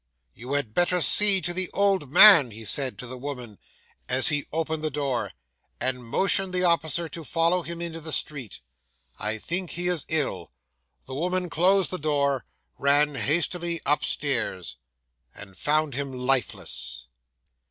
'"You had better see to the old man," he said to the woman, as he opened the door, and motioned the officer to follow him into the street. "I think he is ill." The woman closed the door, ran hastily upstairs, and found him lifeless.